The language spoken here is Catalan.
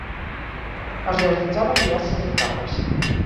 Es realitzava en diverses etapes.